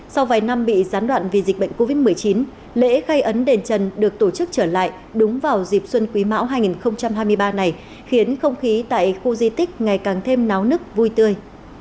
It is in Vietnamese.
sau vài năm bị gián đoạn vì dịch bệnh covid một mươi chín lễ khai ấn đền trần được tổ chức trở lại đúng vào dịp xuân quý mão hai nghìn hai mươi ba này khiến không khí tại khu di tích ngày càng thêm náo nức vui tươi